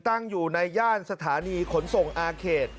ตั้งอยู่ในย่านสถานีขนส่งอาเขต